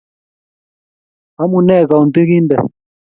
Amunee kounti kintee?